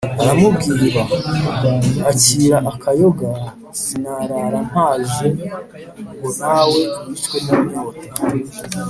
aramubwiraa: "akira akayoga sinarara mpaze ngo na we wicwe n’ inyota.